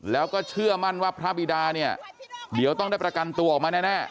แล้วก็เชื่อมั่นว่าพระบิดาเนี่ยเดี๋ยวต้องได้ประกันตัวออกมาแน่